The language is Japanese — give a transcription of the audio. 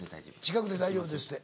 近くで大丈夫ですって。